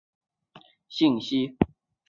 表面交互和详细的错误信息。